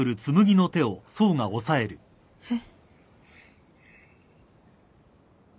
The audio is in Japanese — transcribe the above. えっ？